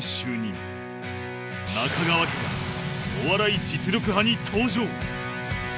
中川家が『お笑い実力刃』に登場